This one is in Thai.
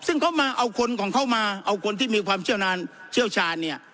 ซึ่งเขามาเอาคนของเขามาเอาคนที่มีความเชี่ยวชาญเนี่ย